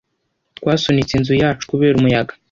Twasunitse inzu yacu kubera umuyaga.